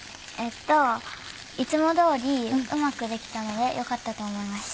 いつも通りうまくできたのでよかったと思いました。